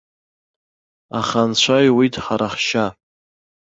Аха анцәа иуит ҳара ҳшьа.